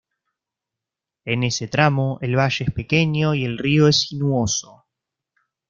En ese tramo, el valle es pequeño y el río es sinuoso.